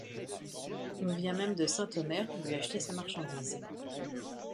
On vient même de Saint-Omer lui acheter sa marchandise.